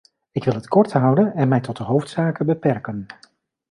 Ik wil het kort houden en mij tot de hoofdzaken beperken.